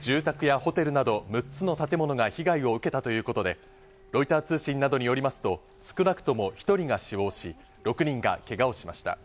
住宅やホテルなど６つの建物が被害を受けたということで、ロイター通信などによりますと少なくとも１人が死亡し、６人がけがをしました。